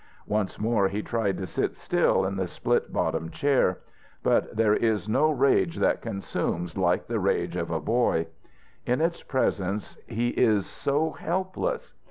Once more he tried to sit still in the split bottom chair. But there is no rage that consumes like the rage of a boy. In its presence he is so helpless!